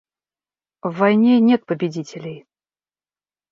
В войне нет победителей.